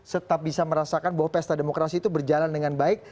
tetap bisa merasakan bahwa pesta demokrasi itu berjalan dengan baik